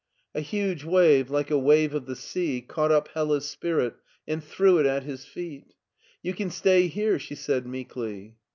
A huge wave, like a wave of the sea, caught up Hella's spirit and threw it at his feet. " You can stay here," she said meekly.